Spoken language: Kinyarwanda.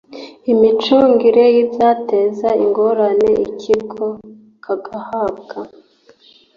imicungire y ibyateza ingorane ikigo kagahabwa